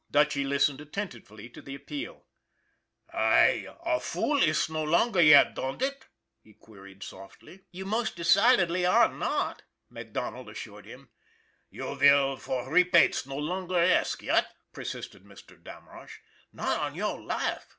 Dutchy listened attentively to the appeal. " I, a fool iss no longer yet, don'd it ?" he queried softly. 302 ON THE IRON AT BIG CLOUD "You most decidedly are not," MacDonald as sured him. "You vill for repates no longer ask, yet?" per sisted Mr. Damrosch. " Not on your life